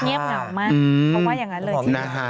เงียบเหงามากเขาว่าอย่างนั้นเลย